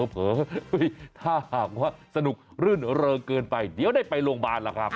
ถ้าหากว่าสนุกรื่นเริงเกินไปเดี๋ยวได้ไปโรงพยาบาลล่ะครับ